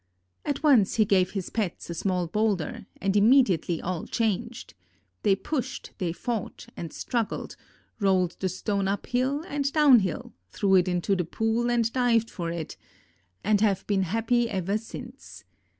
At once he gave his pets a small boulder and immediately all changed. They pushed, they fought and struggled, rolled the stone up hill and down hill, threw it into the pool and dived for it—and have been happy ever since.